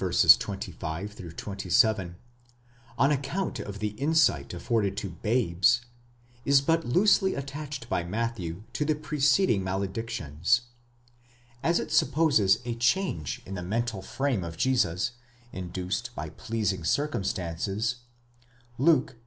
25 27) on account of the insight afforded to dades, νηπίοις, is but loosely attached by Matthew to the preceding maledictions. As it supposes a change in the mental frame of Jesus, induced by pleasing circumstances, Luke (x.